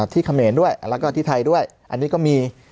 เขมรด้วยแล้วก็ที่ไทยด้วยอันนี้ก็มี